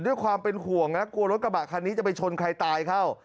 ด้วยความเป็นห่วงนะกลัวรถกระบะคันนี้จะไปชนใครตายเข้า